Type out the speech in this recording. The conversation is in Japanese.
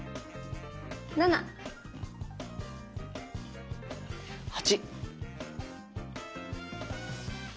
７！８！